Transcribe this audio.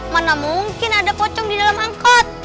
mana mungkin ada kocong di dalam angkot